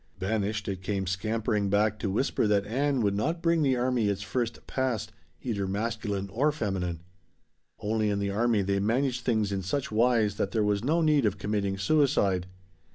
Banished, it came scampering back to whisper that Ann would not bring the army its first "past" either masculine or feminine. Only in the army they managed things in such wise that there was no need of committing suicide.